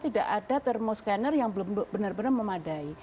tidak ada thermo scanner yang benar benar memadai